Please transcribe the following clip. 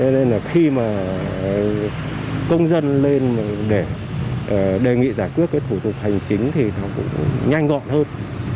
nên là khi mà công dân lên để đề nghị giải quyết cái thủ tục hành chính thì nó cũng nhanh gọn hơn